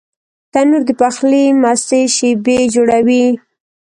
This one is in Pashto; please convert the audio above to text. تنور د پخلي مستې شېبې جوړوي